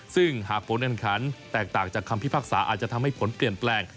ซึ่งหากผลอันขันแตกต่างจากคำพิพากษาอาจจะทำให้ผลเปลี่ยนแปลง